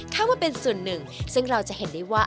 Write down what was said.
คาดว่าเป็นส่วนหนึ่งซึ่งเราจะเห็นได้ว่า